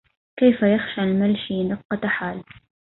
كيف يخشى الملحي رقة حال